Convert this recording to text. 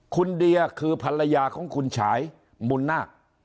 คุณเดียคือภรรยาของคุณฉายบุญนาค